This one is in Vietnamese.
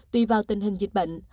tùy vào tình hình dịch bệnh